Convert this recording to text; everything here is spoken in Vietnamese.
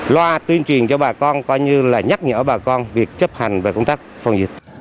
loa tuyên truyền cho bà con coi như là nhắc nhở bà con việc chấp hành về công tác phòng dịch